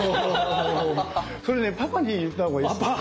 それねパパに言った方がいいですよね。